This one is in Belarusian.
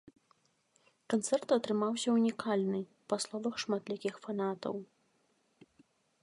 Канцэрт атрымаўся унікальны, па словах шматлікіх фанатаў.